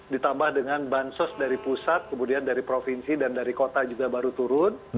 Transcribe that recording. ditambah dengan bansos dari pusat kemudian dari provinsi dan dari kota juga baru turun